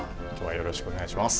よろしくお願いします。